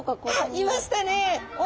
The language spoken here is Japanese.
あっいましたね。